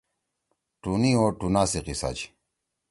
ٹُونی او ٹُونا سی قصّہ چھی :